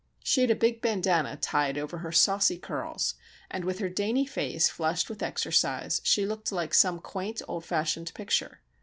She had a big bandanna tied over her saucy curls, and with her dainty face flushed with exercise she looked like some quaint, old fashioned picture.